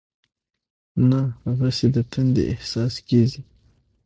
نه هغسې د تندې احساس کېږي.